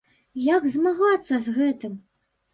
Як змагацца з гэтым?